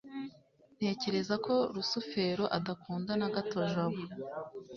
ntekereza ko rusufero adakunda na gato jabo